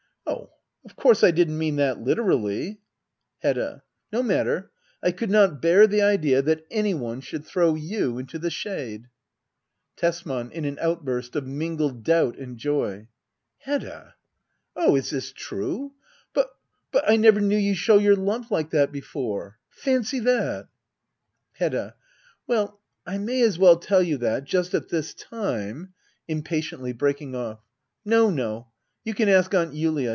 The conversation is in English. Oh, of course I didn't mean that literally. Hedda. No matter — I could not bear the idea that any one should throw you into the shade. Digitized by Google ACT IV.] HEDDA OABLER. l6l Tesman. [In an outburst of mingled doubt and joy,] Hedda ! Oh, is this true ? But — but — I never knew you show your love like that before. Fancy that ! Hedda. Well, I may as well tell you that — just at this time [Impatiently, breaking off.] No, no ; you can ask Aunt Julia.